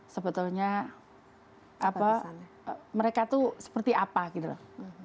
sebetulnya mereka tuh seperti apa gitu loh